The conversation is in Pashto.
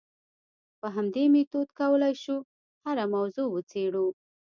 په همدې میتود کولای شو هره موضوع وڅېړو.